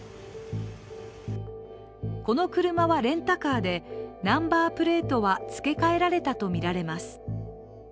この車はレンタカーでナンバープレートは付け替えられたとみられます。